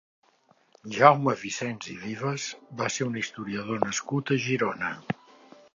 Jaume Vicens i Vives va ser un historiador nascut a Girona.